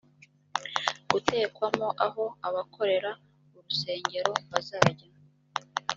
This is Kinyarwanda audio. gutekwamo aho abakorera urusengero bazajya